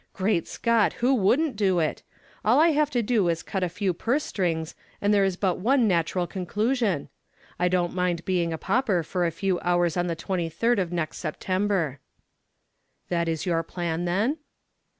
Great Scott, who wouldn't do it! All I have to do is to cut a few purse strings and there is but one natural conclusion. I don't mind being a pauper for a few hours on the 23d of next September." "That is your plan, then?"